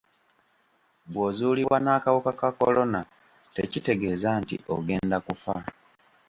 Bw'ozuulibwa n'akawuka ka kolona tekitegeeza nti ogenda kufa.